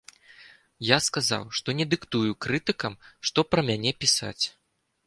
Я сказаў, што не дыктую крытыкам, што пра мяне пісаць.